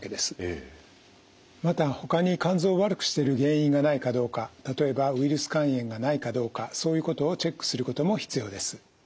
またほかに肝臓を悪くしてる原因がないかどうか例えばウイルス肝炎がないかどうかそういうことをチェックすることも必要です。